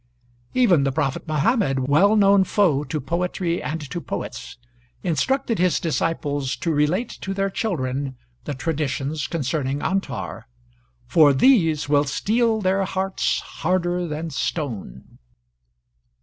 Even the prophet Muhammad, well known foe to poetry and to poets, instructed his disciples to relate to their children the traditions concerning Antar, "for these will steel their hearts harder than stone."